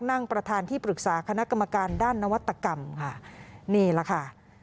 นั่งประธานที่ปรึกษาคณะกรรมการด้านนวัตกรรมค่ะนี่แหละค่ะ